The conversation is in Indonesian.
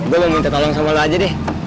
gue mau minta tolong sama lo aja deh